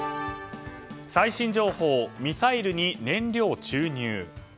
最新情報、ミサイルに燃料注入。